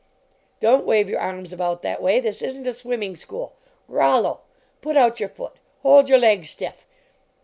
" Don t wave your arms about that way! This isn t a swimming school. "ROLLO! " Put out your foot! "Hold your leg stiff!